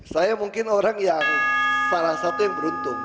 saya mungkin orang yang salah satu yang beruntung